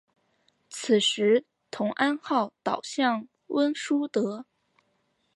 此时同安号倒向温树德。